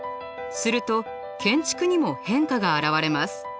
すると建築にも変化が現れます。